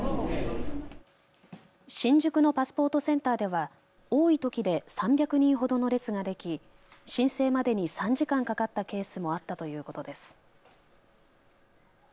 新宿のパスポートセンターでは多いときで３００人ほどの列ができ、申請までに３時間かかったケースもあったということです。